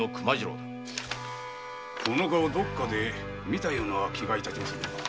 この顔どこかで見たような気が致しまするが。